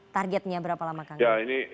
targetnya berapa lama kang